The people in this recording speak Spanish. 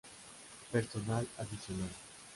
Personal Adicional